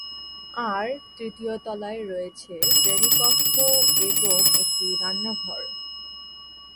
আর, তৃতীয় তলায় রয়েছে শ্রেণিকক্ষ এবং একটি রান্নাঘর।